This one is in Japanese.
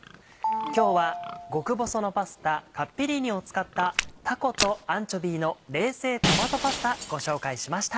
今日は極細のパスタカッペリーニを使った「たことアンチョビーの冷製トマトパスタ」ご紹介しました。